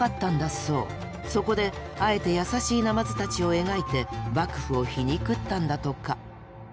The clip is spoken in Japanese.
そこであえて優しいナマズたちを描いて幕府を皮肉ったんだとか。